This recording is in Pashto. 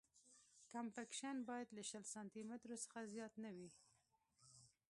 کمپکشن باید له شل سانتي مترو څخه زیات نه وي